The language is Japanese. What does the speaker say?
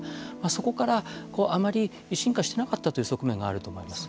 そこからあまり進化していなかったという側面があると思います。